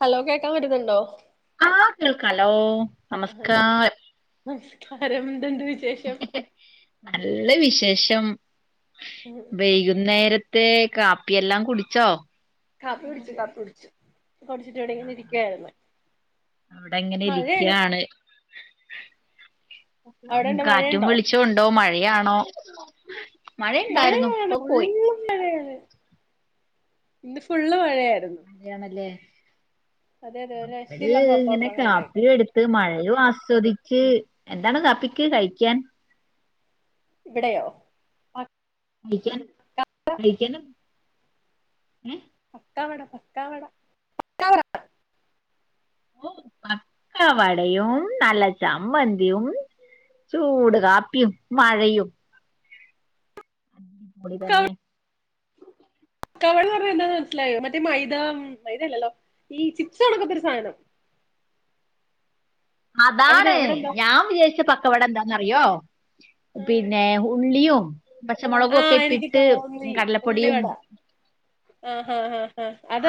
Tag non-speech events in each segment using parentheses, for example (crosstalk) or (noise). Hello കേക്കാൻ പറ്റുന്നുണ്ടോ ആ കേൾക്കാലോ നമസ്കാരം കാരം നല്ല വിശേഷം വൈകുന്നേര ത്തെ കാപ്പിയെല്ലാം കുടിച്ചോ കാപ്പി കുടിച്ചു കാപ്പി കുടിച്ചു കുടിച്ചിട്ട് ഇവടങ്ങനെ ഇരിക്കായിരുന്നു അവിടെ ഇങ്ങനെ മഴയാണ് ഇരിക്കയാണ് അവിടെണ്ടോ കാറ്റും മഴയുണ്ടോ വെളിച്ചം ഉണ്ടോ മഴയാണോ മഴയുണ്ടായിരുന്നു മഴയാണ് ഫുള്ളും മഴയാണ് ഇന്ന് ഫുള്ള് മഴയായിരുന്നു മഴയാണല്ലേ അതെ അതെ ഒരു രക്ഷയില്ല (unintelligible) ഇങ്ങനെ പുറത്തോട്ടിറങ്ങാനായിട്ട് കാപ്പിയും എടുത്ത് മഴയും ആസ്വദിച്ച് എന്താണ് കാപ്പിക്ക് കഴിക്കാൻ ഇവിടെയോ കഴിക്കാൻ കഴിക്കാന് ഏ പത്താവട പത്താവട പ ഓ പക്ക വടയും നല്ല ചമ്മന്തിിയും ചൂട് കാപ്പിയും മഴയും അപളി തന്നെ ക്കാവ പറഞ്ഞത് എന്താെന്ന് മനസ്സിലായോ മറ്റേ മൈദ മൈദല്ലല്ലോ ഈ ചിപസ് ആണൊക്കെ ഒരു സാധനം അതിന് അതാണ് അവിടെ എന്താ ഞാൻ വിചയിച്ച പക്കവടം എന്താന്ന അറിയോ പിന്നെ ഉള്ളിയും പച്ചമുളകും ആഹ ഒക്കെ എനിക്ക് ഇട്ടിട്ട് തോന്നി കടലപ്പൊടിയും ഉള്ളിവട ആഹ ഹഹ് ഹഹ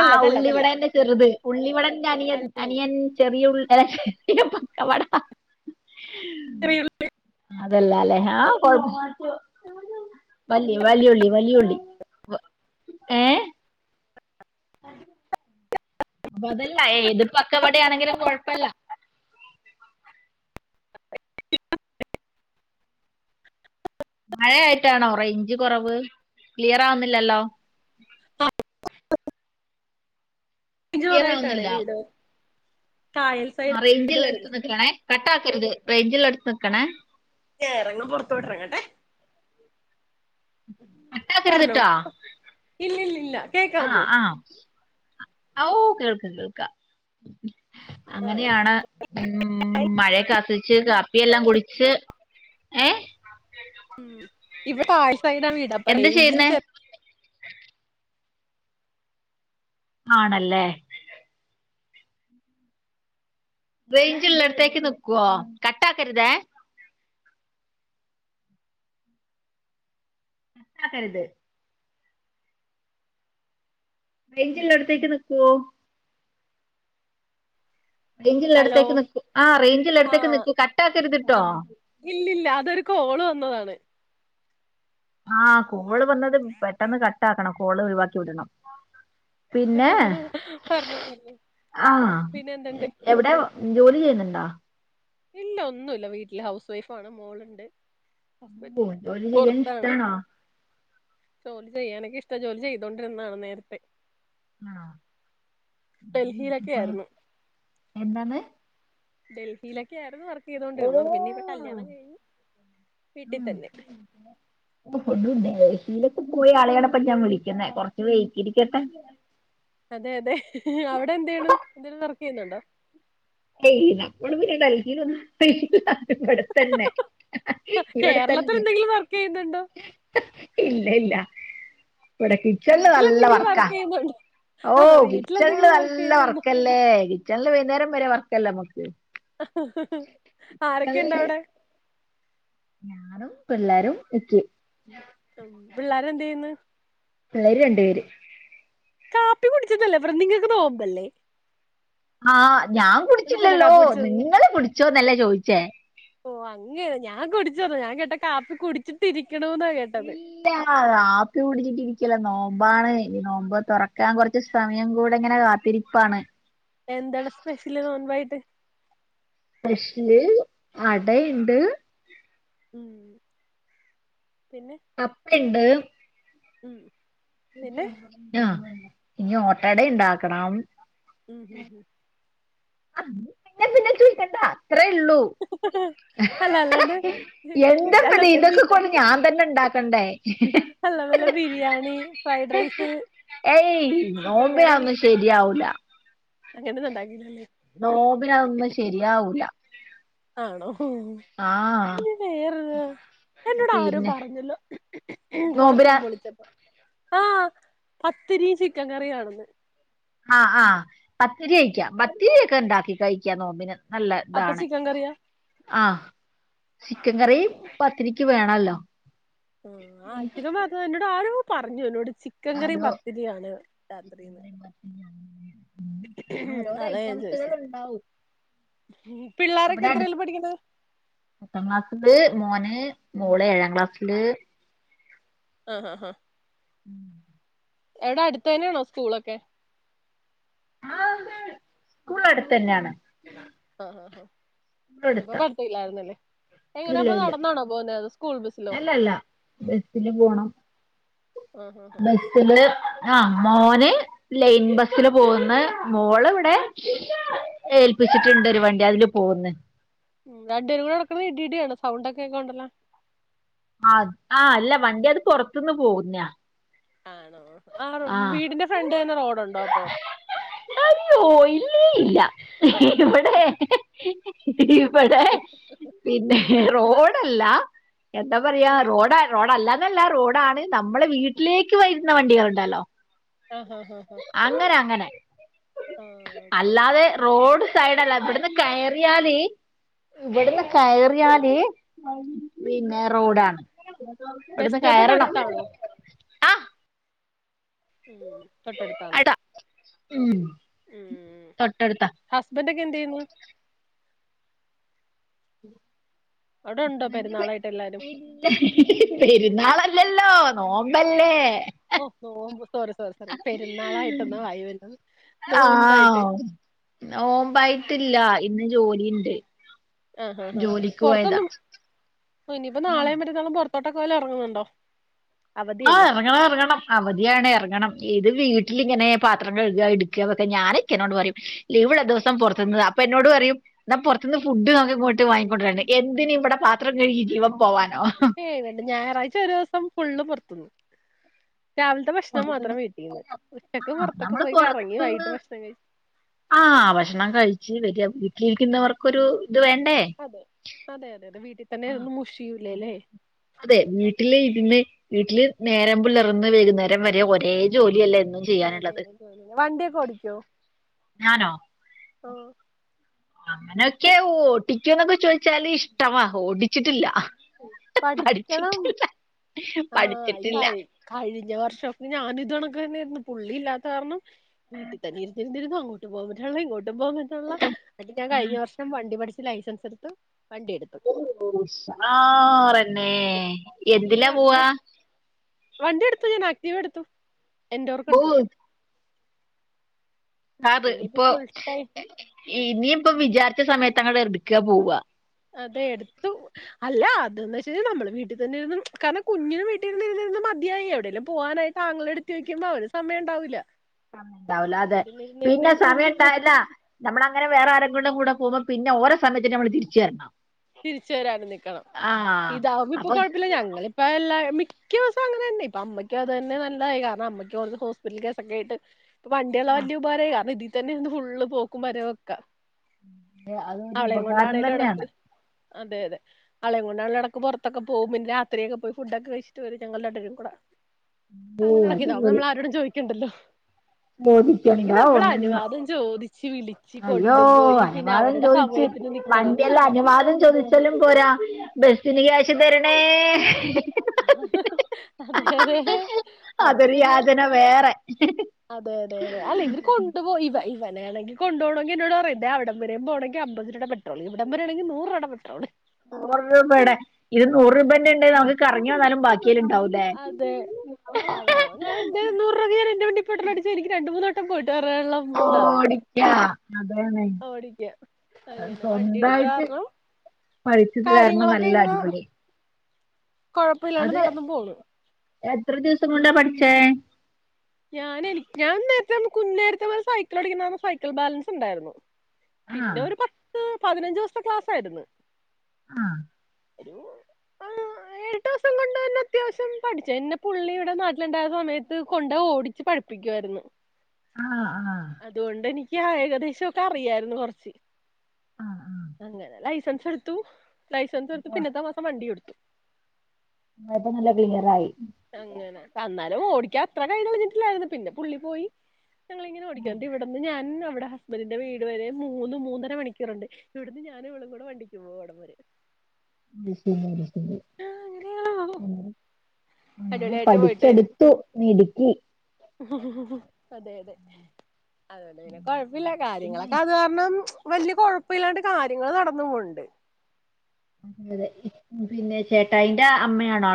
ആ ഉള്ളിവവിടൻന്റെ ചെറുത് ഉള്ളിവിടന്റെ അനിയൻ അല്ലല്ല അനിയൻ ചെറിയ ഉ പക്ക പടാ ല്ല അതല്ലാ അല്ലേ ആഹ കൊ വി വലിയള്ളി വലിയള്ളി ഏ അ അപ്പൊ അതല്ല ഏതിപ്പക്ക എവിടെയാണെങ്കിലും കൊഴപ്പല്ല മഴ ആായിട്ടാണോ റ ഇഞ്ച് കുറവ് ക്ലിയർ ആവുന്നില്ലല്ലോ ക്ലിയർ അഞ്ചോറായിട്ടാണേ ആവുന്നില്ല വീട് കായൽ സൈഡ് ആ വീട് റേഞ്ചിൽ എടുത്ത വരുന്നത് നക്കണേ കട്ട ആാക്കരുത് റേഞ്ചിൽ എടുത്ത് നക്കണേ ചേറങ്ങങ് പുൊറത്തു വിട്ടറങ്ങട്ടെ പറഞ്ഞോ കട്ടാക്കരുത്ട്ടോ ഇല്ലല്ലല്ല കേക്കാമോ ഔ കേൾക്ക കേൾക്ക ആ അങ്ങനെയാണ് ഉം മഴയക്ക ആസ്വ കാപ്പിെല്ലാം കുടിച്ച്ു ഏ ഇവിടെ പായസൈയുടെ ആ വീടാപ്പൊ എന്ത് റേഞ്ചിന് ചെയ്യുന്നേ ചെറ ആണല്ലേ േഞ്ചള്ളടത്തേക്ക് നക്കുവോ കട്ടാക്കരുത ക കരുത് ബൈഞ്ചല്ല അടത്തേക്ക് നക്കുവോ റേഞ്ചില ഹലോ അടുത്തേക്ക് നീക്കു. ആ റേഞ്ചില ആ അടുത്തേക്ക് നിക്കൂ കട്ട ആക്കരുതിട്ടോ ഇല്ലില്ല അതൊരു കോള് വന്നതാണ്. ആഹ കോള് വന്നത് പെട്ടെന്ന് കട്ട ആക്കണം കോള് ഒഴിവാക്കി വിടണം. ഹം പിന്നെ പറഞ്ഞ ആഹ് എവിടെ ജോലി ചെയ്യണണ്ടോ ഇല്ല ഒന്നുമല്ല വീട്ടില് ഹൗസ് വൈഫ ആണ് മോളുണ്ട്. ഹസ്ബൻഡ് ഓ ജോലി ചെയ്യാൻ പുറത്താണ്. ഇഷ്ടാണോ ജോലി ചെയ്യാനൊക്കെ ഇഷ്ടം ജോലി ചെയ്തോണ്ടിരുന്നതാണ് നേരത്തെ ആഹ ഡൽഹിയിലൊക്കെ പോയ ആയിരുന്നു എന്താന്ന് ഡൽഹിയിലൊക്കെ ആയിരുന്നു വർക്ക്. ചെയ്തോണ്ടിരുന്നു. പിന്നെ ഇപ്പ കല്യാണം കഴിഞ്ഞ്, വീട്ടിൽ ഉം തന്നെ (unintelligible) പോയി ആളെയാണ്ണപ്പൊ ഞാൻ വിളിക്കുന്നത് കുറച്ച് (unintelligible) അതെ അതെ അവിടെ എന്ത ചെയണു എന്തെലും വർക്ക് ചെയ്യുന്നുണ്ടോ ഏയ്‌ (unintelligible) ഇവിടെത്തന്നെ കേരളത്തിൽ ഇവിടെത്തന്നെ എന്തെങ്കിലും വർക്ക് ചെയ്യുന്നുണ്ടോ ഇല്ല ഇല്ല ഇവിടെ കിച്ചണില് നല്ല വീട്ടിലെന്തെങ്കിലും വർക്കാ. വർക്ക് ചെയ്യുന്നുണ്ടോ ഓ അതോ കിച്ചണില് വീട്ടിലെന്തെങ്കിലും വർക്ക് നല്ല ചെയ്യുന്നുണ്ടോ വർക്കല്ലേ കിച്ചണില് വൈകുന്നേരം വരെ വർക്കല്ലേ നമ്മുക്ക്. ഹും ഹും, ആരൊക്കെ ഇണ്ട അവിടെ? ഞാനും പിള്ളാരും (unintelligible) പിള്ളാര എന്ത ചെയ്യന്ന് പിള്ളേര് രണ്ടു പേര്. കാപ്പി കുടിച്ചതല്ലേപറ നിങ്ങൾക്ക് നോമ്പല്ലേ ആഹ് ഞാൻ എന്നിട്ടല്ലേ കുടിച്ചില്ലല്ലോ, കാപ്പി കുടിച്ചത് നിങ്ങള് കുടിച്ചോന്നല്ലേ ചോദിച്ചേ. ഓ അങ്ങ ഞാൻ കുടിച്ചന്നോ ഞാൻ കേട്ട കാപ്പി കുടിച്ചിട്ടിരിക്ക ഇല്ല ആ കാപ്പി കുടിച്ചി ല നോമ്പാണ്, ഇ നോമ്പ് തുറക്കാൻ കുറച്ച് സമയം കൂടെ ഇങ്ങനെ കാത്തിരിപ്പാണ്. എന്താണ് സ്പെഷ്യല് നോൻപായിട്ട് സെപ്ഷ്യല് അടണ്ട് ഉം പിന്നെ അപ്പ ഇണ്ട് ഉം പിന്നെ ആ ഇനി ഓട്ടട ഇണ്ടാക്കണം. ഉം ഹം ഹ ആ പിന്നെ പിന്നെ ചോദിക്കണ്ട. അത്രേ ഉള്ളൂ അല്ല അല്ലാണ്ട് എന്തപ്പ അല്ല ബി ഇതൊക്കെ കൊടെ ഞാൻ തന്നെ ഉണ്ടാക്ക അല്ല വല്ല ബിരിയാണി ഫ്രൈഡ് റൈസ് ഏയ് ചിക്കൻ കറി നോമ്പെനതോന്നും ശെരിയാവൂല. അങ്ങനെയൊന്നും ഉണ്ടാക്കിയില്ലല്ലേ നോബിന അതൊന്നും ശരിയാവൂല്ല. ആണോ ഇ വേറെ എന്നോട് ആരോ പിന്നെ പറഞ്ഞല്ലോ കൊറച്ച നോമ്പിന മുമ്പ് വിളിച്ചപ്പ ആഹ പത്തിരി ചിക്കൻ കറിയാണന്ന് ആഹ് ആ പത്തിരി കഴിക്കാം പത്തിരി ഒക്കെ ഉണ്ടാക്കി കഴിക്കാം നോമ്പിന് നല്ല അപ്പൊ ഇതാണ് ചിക്കൻ കറിയാ ആഹ ചിക്കൻ കറി പത്തിരിക്ക് വേണല്ലോ ആഹ ഇച്ചിരിമ്പ് അത എന്നോട് ആരോ പറഞ്ഞു എന്നോട് ചിക്കൻ കറിയും പത്തിരിയാണ് രാത്രിന്ന് (unintelligible) ഓരോര അതാ ഐറ്റം ഞാൻ (unintelligible) (unintelligible) ചോദിച്ചത് ഉണ്ടാവും പിള്ളോരൊക്കെ അവിടെ അടുത്ത് എത്രേലാ പഠിക്കണെ പത്താം ക്ലാസ്സില് മോന് മോള് ഏഴാം ക്ലാസ്സില് ആഹ ആഹ ആഹ ഉം എവിടെ അടുത്ത തനെയാണോ സ്കൂളൊക്കെ സ്കൂള അടുത്ത് തന്നെയാണ് ആഹ് ആ ആഹ് സ്കൂൾ ഇന്നയിപ്പോ അടുത്താ പഠത്തല്ലായിരുന്നല്ലേ ഇല്ല എങ്ങനാപ്പൊ ഇല്ല നടന്നാണോ പോുന്ന അ അല്ല അല്ല ബസില് പോണം ആഹ് ആഹ് ബസില് ആഹ മോന് ലൈൻ ബസില് പോകുന്ന മോള് ഇവിടെ ഏപ്പ ച്ചിട്ടണ്ട് ഒരു വണ്ടി അതില് പോകന്ന് ഉ രണ്ടേരും കൂടെ നടക്കുന്നത് ഇടിയാണ് സൗണ്ട ഒക്കെക്കണ്ടല്ല ആഹ ആഹ് അല്ല വണ്ടി അത് പുറത്തുന്ന് പോകുന്ന ആണോ ആ വീടിന്റെ ഫ്രണ്ട് തന്നെ റോഡുണ്ടോ അപ്പൊ അയ്യോ ഇല്ലേ ഇല്ല ഇവിടെ (unintelligible) ഇവിടെ പിന്നെ റോഡല്ല എന്താ പറയാ ആഹ് റോഡ റോഡല്ലാന്നല്ല റോഡാണ്ണ് നമ്മളെ വീട്ടിലേക്ക് വുന്ന ഇ വണ്ടികൾ ഉണ്ടല്ലോ ആഹ് ആഹ് ആഹ് ആഹ് അങ്ങനെ അങ്ങനെ ആഹ് ഓക്കെ ഓക്കെ അല്ലാതെ റോഡ് സൈഡ അല്ലാ ഇവിടന്ന് കയറിയാലേ ഇവിടുന്ന് കയറിയാല പിന്നെ റോഡാണ് ബസ് അവിടന്ന് സ്റ്റോപ്പൊക്കെ കയറണം അടുത്താണോ ആ ഉ തൊട്ടടുത്താണോ അടാ ഉ തൊട്ടടുത്താ ഹസ്ബൻഡ കന്തന്ന ഉണ്ടോ ന പെരുന്നാളായിട്ട് എല്ലാരും പിന്ന പെരുന്നാള ഇല്ലല്ലോ നോമ്പല്ലേ ഓ ഓ ഒ സോറി സോറി സോറി പെരുന്നാളായിട്ടൊന്നാ വായുവല്ല നോൻമ്പായിട്ട് ഓമ്പായിട്ടില്ല ഇന്ന് ജോലിണ്ട് ജോലിക്ക് പോയതാ ഓ ഇനിയിപ്പോൊ ആ നാളെയും പറ്റത്തും പുറത്തോട്ടൊക്കല ഇറങ്ങുന്നുണ്ടോ ആഹ് അവധിയല്ലേ ഇറങ്ങണം ഇറങ്ങണം അവധിയാണ് ഇറങ്ങണം ഇത് വീട്ടിലിങ്ങനെ പത്രംഴ എടുക്കുകൊക്കെ ഞാന ഇിക്കനോണ്ട് പറയും ല ഇവിടെ ദിവസം പുറത്തുന്ന് അപ്പ എന്നോട് പറയും എന്നാ പുറത്തുന്ന് ഫുഡ്ക്ക് ഇങ്ങോട്ട് വാങ്ങിക്കൊണ്ടിരണ്ട് എന്തിനും ഇവിടെ പാത്രം കഴി ജീവം പോവാൻ വണ്ട് ഞായറാഴ്ച ഒരു ദിവസം ഫുള്ള് പുറത്തുന്ന് രാവിലത്തെ ഭക്ഷണം മാത്രം വീറ്റിക്കന്ന് ആ ഉച്ചക്ക് പുറത്തൊക്കെ നമ്മള് പോയി കറങ്ങി വൈകിട്ട് ഭക്ഷണം കഴ ആഹ ഭക്ഷണം കഴിിച്ചച്ച് വല വീട്ടിലിരിക്കുന്നവർക്കൊരു ഇത് വേണ്ടേ അതെ അതെ അതെ അതെ വീട്ടിൽ തന്നെ ആ ഇരുന്ന് അ മുഷിയൂലല്ലേ അതെ വീട്ടില ഇരുന്ന വീട്ടില് നേരം പിള്ളേർന്ന് വൈകുന്നേരം വരെ ഒരേ ജോലിയല്ലേ എന്നും ചെയ്യാനുള്ളത് ജോലിയല്ലോലല്ല വണ്ടിയൊക്കെ ഓടിക്കോ അങ്ങനൊക്കെ ഓടിക്കു എന്നൊക്കെ ചോദിച്ചാല് ഇഷ്ടമാ ഓടിച്ചിട്ടില്ല പഠിക്കണം പഠിച്ചിട്ടില്ല ആി പഠിച്ചിട്ടില്ല കഴിഞ്ഞ വർഷൊക്കെ ഞാന ഇക്ക തന്നായിരുന്നു പുള്ളിയില്ലാത്ത കാരണം വീട്ടിൽ തന്നെ ഇരിിരുന്നു അങ്ങോട്ട് പോകോുള്ള ഇങ്ങോട്ട് അ ഞാൻ കഴിഞ്ഞ വർഷം വണ്ടി പഠിച്ചു ലൈസൻസ് എടുത്തത്ത് ഓ ആാറന്നെ അതുകൊണ്ട് ഈ എന്തിലാ പോവാ വർഷം വണ്ടി എടുത്തു ഞാൻ ആക്ടിീവ എടുത്തു എൻറോർക്ക ഓ എടുത്തു അത് പിന്നെ ഇപ്പോ ഇപ്പൊ ഫുൾ ടൈം ഇനി ഇപ്പൊ വിചാരിച്ച സമയത്ത് അങ്ങ ർിക്കുക പോവവാ അതെ എടുത്തു അല്ല എ വെച്ച കാൽ നമ്മൾ വീട്ടിൽ തന്നെ കാരണം കുഞ്ഞിനന് വീട്ടിൽ ഇ മതിയായി എവിടെെങ്കും പോാനായിട്ട്ാങ്കെടു ്പ അവ സമയംണ്ടാവൂില്ല സമയ ഉണ്ടാവലോ അതെ പിന്നെ സമയം മടി ഉണ്ടല്ല നമ്മള അങ്ങനെ വേറെ ആരൊക്കും ണ്ട കൂ പോകുമ്പോന്ന ഓര സമയത്തി നമ്മ തിരിച്ചുരണം തിരിച്ച് വരാനും നിക്കണം ഇതാവുമ്പോ ഇപ്പൊ അപ്പൊ കൊഴപ്പല്ല ഞങ്ങളിപ്പ എല്ലാ മിക്കിവസം അങ്ങനെ തന്നെ. ഇപ്പ അമ്മയ്ക്ക് അത് തന്നെ നല്ലായി കാരണം അമ്മയ്ക്ക് ഹോസ്പിറ്റൽ കേസൊക്കെ ആയിട്ട് ഇപ്പൊ വണ്ടിയള്ള വലിയ ഉപകാരമായി കാരണം ഇതിൽന്നെ ഫുള്ള് പോക്കും വരവൊക്ക ആഹ് അതൊരു അവളേം ഉപകാരം കൊണ്ടാണേലും എടക്ക് തന്നെയാണ് അതെ അതെ അളെ കൊണ്ടാണേലും ഇടക്ക് പുറത്തൊക്കെ പോവും പിന്നെ രാത്രിയൊക്കെ പോയി ഫുഡ്ഒക്കെ കഴിച്ചിട്ട് വരും ഞങ്ങൾ രണ്ടരും കൂടെ അങ്ങനെ അടക്കിയതോ അപ്പൊ അടിപൊളി നമ്മൾ ആരോടും ചോദിക്കണ്ടല്ലോ ചോദിക്കണ്ട ഇല്ലെങ്കി നമ്മൾ ഒന്നും അനുവാദം ചോദിച്ച് വിളിച്ച് കൊണ്ടുപോയി പിന്നെ അവരുടെ സം ച്ച് വണ്ടിയെല്ലാം അനുവാദം ചോദിച്ചലും പോരാ ബസിന് ക്യാശ് തരണേ അതെയതെ അത് അതൊരു ശരിയാണ് യാതന വേറെ അതെ അതെ അതെ അല്ല ഇവര് കൊണ്ടുപോയി ഇവ വനനാണെ കൊണ്ടുപോണെങ്കി എന്നോട് പറയും അവിടം വരെ പോണെങ്കി അമ്പത്രൂപടെ പട്രോള് ഇവിടം വരാണെങ്കിൽ നൂറ് രൂപടെ പെട്രോള് നൂറ് രൂപടെ ഇത് നൂറ് രൂപേന്റെ ഉണ്ടേ നമുക്ക് കറങ്ങി വന്നാലും ബാക്കി അതെ അതെ അത് ഞാൻ എന്റെ നൂറ് രൂപക്ക് എന്റെ വണ്ടി പെട്രോൾ അടിച്ചു എനിക്ക് രണ്ട്മൂന്ന് വട് ഓടിക്ക അതെ ഓടിക്കാൻ അങ്ങനെ വണ്ടി എടുത്ത സ്വന്തായിട്ട് കാരണം പഠിച്ചത് കാരണം നല്ല അടിപൊളി കൊഴപ്പില്ലാണ്ട് അത് നടന്നും പോകും എത്ര ദിവസം കൊണ്ടാ പഠിച്ചേ? ഞാൻ എനിക് ഞാൻ നേരത്തെ കുഞ്ഞായിരുത്തപ്പോ സൈക്കിൾ ഓടിക്കുന്ന സൈക്കിൾ ബാലൻസ് ഉണ്ടായിരുന്നു. പിന്നെ ആഹ് ഒരു പത്ത് പതിനഞ്ച് ദിവസത്തെ ക്ലാസ്സായിരുന്നു. ആ ഒരു ആ ഏഴെട്ടു ദിവസം കൊണ്ട് തന്നെ അത്യാവശ്യം പഠിച്ചു എന്നെ പുള്ളി ഇവിടെ നാട്ടിലുണ്ടായ സമയത്ത് കൊ ണ്ടോടിച്ച് പഠിപ്പിക്കു ആരുന്നു. ആഹ് ആഹ് അതുകൊണ്ടെനി ഏകദേശം ഒക്കെ അറിയായിരുന്നു കൊറച്ച് ആഹ് ആഹ് അങ്ങനെ ലൈസൻസ് എടുത്തു ലൈസൻസ് എടുത്ത് പിന്നത്തെ മാസം വണ്ടി എടുത്തു ആ ഇപ്പ നല്ല ക്ലിയർ ആയി അങ്ങനെ അന്നാലും ഓടിക്കാ അത്ര കൈ കളിഞ്ഞിട്ടില്ലായിരുന്നു പിന്നെ പുള്ളി പോയി ഞങ്ങളിങ്ങനെ ആ, ഓടിക്കും. എന്നിട്ട് ഇവിടുന്ന് ഞാൻ ഒ ഇവിടെ ഹസ്ബൻഡറിന്റെ വീട് വരെ മൂന്ന് മൂന്നര മണിക്കൂറുണ്ട് ഇവിടുന്ന് ഞാനും അവളും കൂടെ വണ്ടിക്ക് പോവും അവിടം വരെ (unintelligible) അങ്ങനെ അങ്ങനെ അടിപൊളിയായിട്ട് പോയിട്ട് വരും പഠിച്ചെടുത്തു മിടുക്കി അതെ അതെ അതെന്നെ പിന്നെ കൊഴപ്പല്ല പിന്നെ കാര്യങ്ങളൊക്കെ അത് കാരണം വലിയ കൊഴപ്പല്ലാണ്ട് കാര്യങ്ങള് നടന്നുപോണ്ട് അതെ അതെ പിന്നെ ചേട്ടായിന്റെ അമ്മയാണോ